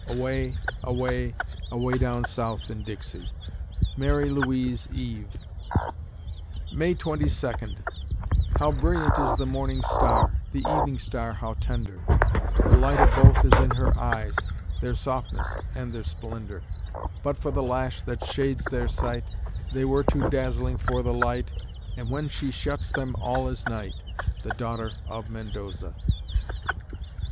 Away, away, Away down South in Dixie. MARIE LOUISE EVE May Twenty Second How brilliant is the morning star; The evening star how tender; The light of both is in her eyes, Their softness and their splendor; But for the lash that shades their sight, They were too dazzling for the light, And when she shuts them all is night, The daughter of Mendoza.